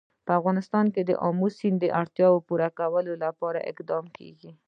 په افغانستان کې د آمو سیند د اړتیاوو پوره کولو لپاره اقدامات کېږي.